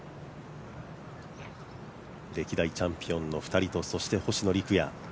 歴代のチャンピオンの一人とそして星野陸也。